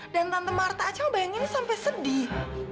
dan tante marta aja ngebayanginnya sampe sedih